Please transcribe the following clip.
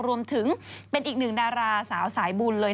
รวมถึงเป็นอีกหนึ่งดาราสาวสายบุญเลย